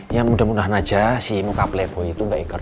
ya mudah mudahan aja si muka playboy itu gak iker